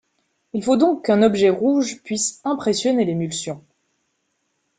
Il faut donc qu'un objet rouge puisse impressionner l'émulsion.